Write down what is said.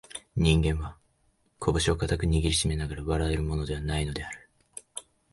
人間は、こぶしを固く握りながら笑えるものでは無いのである